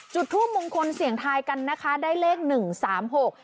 จุดทูปมงคลเสียงทายกันนะคะได้เลขหนึ่งสามหก